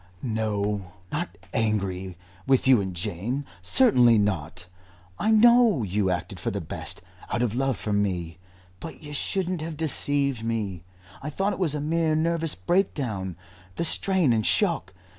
"No not angry with you and Jane certainly not. I know you acted for the best, out of love for me. But you shouldn't have deceived me. I thought it was a mere nervous breakdown the strain and shock.